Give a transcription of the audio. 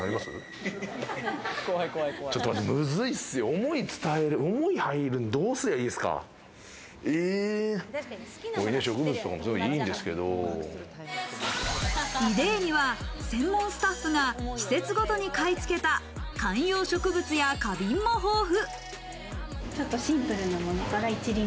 思い伝えるって、どうすればイデーには、専門スタッフが季節ごとに買い付けた観葉植物や花瓶も豊富。